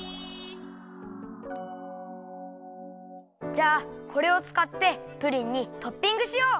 じゃあこれをつかってプリンにトッピングしよう！